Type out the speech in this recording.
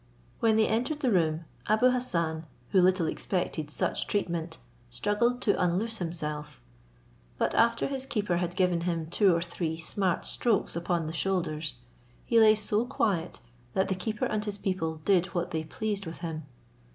When they entered the room, Abou Hassan, who little expected such treatment, struggled to unloose himself; but after his keeper had given him two or three smart strokes upon the shoulders, he lay so quiet, that the keeper and his people did what they pleased with him.